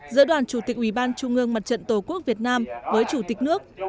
giữa đoàn chủ tịch ubndtqvn với chủ tịch nước